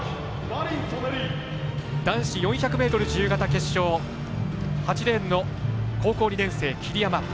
男子４００ｍ自由形決勝８レーンの高校２年生、桐山。